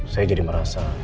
saya jadi merasa